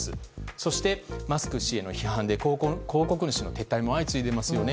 そして、マスク氏への批判で広告主の撤退も相次いでいますね。